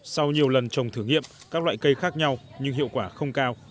sau nhiều lần trồng thử nghiệm các loại cây khác nhau nhưng hiệu quả không cao